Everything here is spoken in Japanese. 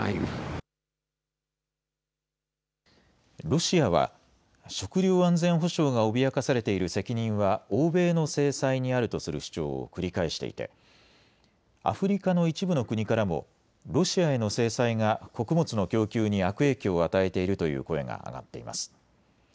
ロシアは食料安全保障が脅かされている責任は欧米の制裁にあるとする主張を繰り返していてアフリカの一部の国からもロシアへの制裁が穀物の供給に悪影響を与えているという声が上がっています。